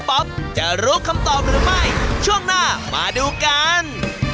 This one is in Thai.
แบบไหนราคาถูกที่สุดครับ